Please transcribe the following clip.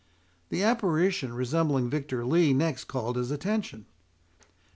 The apparition resembling Victor Lee next called his attention.